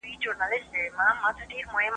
هغې په خپل نفس حاکمیت درلود.